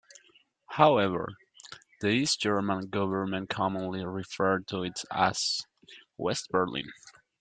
However, the East German government commonly referred to it as "Westberlin".